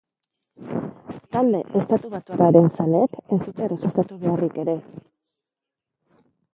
Talde estatubatuarraren zaleek ez dute erregistratu beharrik ere.